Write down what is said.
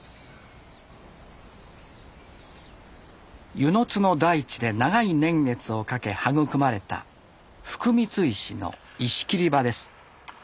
温泉津の大地で長い年月をかけ育まれた福光石の石切り場です。